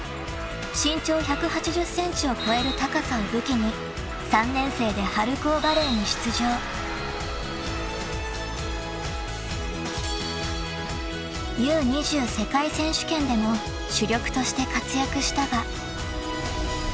［身長１８０ｃｍを超える高さを武器に３年生で春高バレーに出場］［Ｕ−２０世界選手権でも主力として活躍したが］